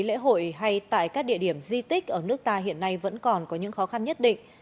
lễ hội hay tại các địa điểm di tích ở nước ta hiện nay vẫn còn có những khó khăn nhất định